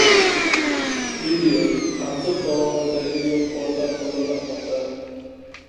Video: Qamchiq dovonidagi yo‘l qordan tozalanmoqda